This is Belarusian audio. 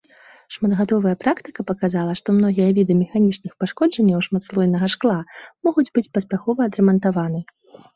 Шматгадовая практыка паказала, што многія віды механічных пашкоджанняў шматслойнага шкла могуць быць паспяхова адрамантаваны.